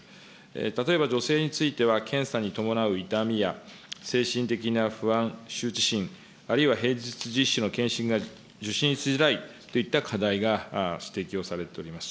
例えば女性については検査に伴う痛みや精神的な不安、羞恥心、あるいは平日実施の検診が受診しづらいといった課題が指摘をされております。